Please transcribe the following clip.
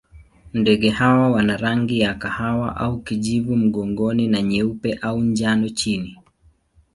Ndege hawa wana rangi ya kahawa au kijivu mgongoni na nyeupe au njano chini.